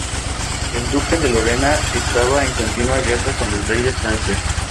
El duque de Lorena estaba en continua guerra con el rey de Francia.